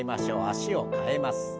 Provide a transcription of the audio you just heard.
脚を替えます。